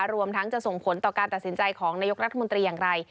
รวมทั้งจะส่งผลต่อการตัดสินใจของนายกรัฐมนตรีอย่างไร